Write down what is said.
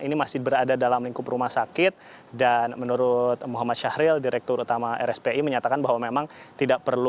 ini masih berada dalam lingkup rumah sakit dan menurut muhammad syahril direktur utama rspi menyatakan bahwa memang tidak perlu